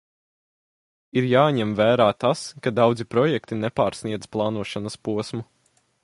Ir jāņem vērā tas, ka daudzi projekti nepārsniedz plānošanas posmu.